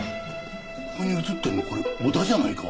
ここに写ってるのこれ小田じゃないか？